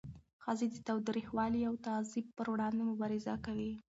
ښځې د تاوتریخوالي او تعذیب پر وړاندې مبارزه کوي.